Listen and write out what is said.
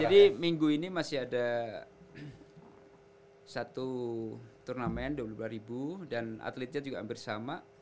jadi minggu ini masih ada satu turnamen dua puluh dua ribu dan atletnya juga hampir sama